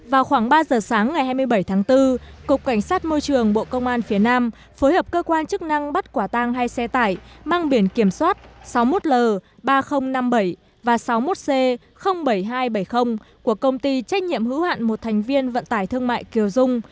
vào khoảng ba giờ sáng ngày hai mươi bảy tháng bốn cục cảnh sát môi trường bộ công an phía nam phối hợp cơ quan chức năng bắt quả tang hai xe tải mang biển kiểm soát sáu mươi một l ba nghìn năm mươi bảy và sáu mươi một c bảy nghìn hai trăm bảy mươi của công ty trách nhiệm hữu hạn một thành viên vận tải thương mại kiều dung